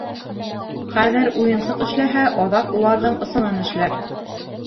Хәҙер уйынсыҡ эшләһә, аҙаҡ уларҙың ысынын эшләр.